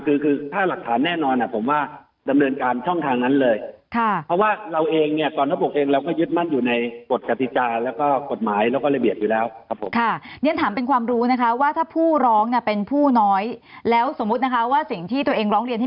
คือคือถ้าหลักฐานแน่นอนอ่ะผมว่าดำเนินการช่องทางนั้นเลย